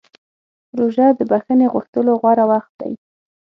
روژه د بښنې غوښتلو غوره وخت دی.